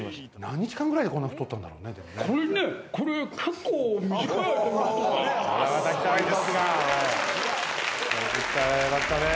何日間ぐらいでこんな太ったんだろうねでもね。